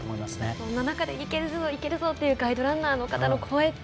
そんな中でいけるぞ、いけるぞというガイドランナーの声って。